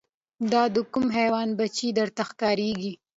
دا د کوم حیوان بچی درته ښکاریږي